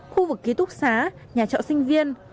khu vực ký túc xá nhà trọ sinh viên